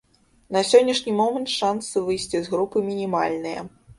На сённяшні момант шансы выйсці з групы мінімальныя.